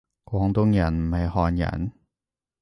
廣東人唔係漢人？